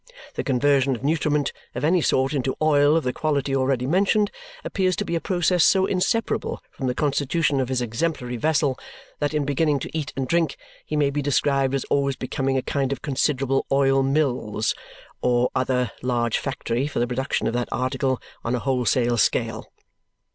The conversion of nutriment of any sort into oil of the quality already mentioned appears to be a process so inseparable from the constitution of this exemplary vessel that in beginning to eat and drink, he may be described as always becoming a kind of considerable oil mills or other large factory for the production of that article on a wholesale scale.